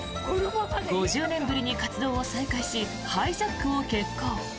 ５０年ぶりに活動を再開しハイジャックを決行。